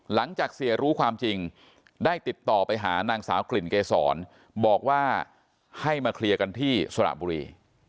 หลังจากเสียรู้ความจริงได้ติดต่อไปหานางสาวกลิ่นเกษรบอกว่าให้มาเคลียร์กันที่สระบุรี